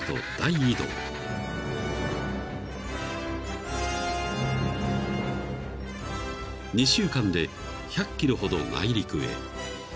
［２週間で１００ｋｍほど内陸へ］